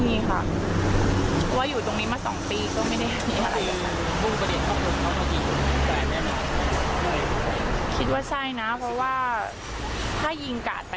พี่มีความตังคลนไหมว่ากลัวค่ะ